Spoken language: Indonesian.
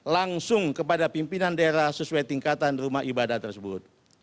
langsung kepada pimpinan daerah sesuai tingkatan rumah ibadah tersebut